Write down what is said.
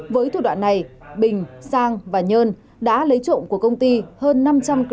với thủ đoạn này bình sang và nhơn đã lấy trộm của công ty hơn năm trăm linh kg tôm nguyên liệu